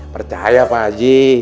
percaya pak haji